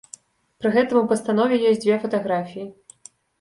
Пры гэтым у пастанове ёсць дзве фатаграфіі.